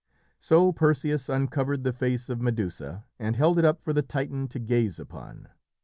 So Perseus uncovered the face of Medusa and held it up for the Titan to gaze upon.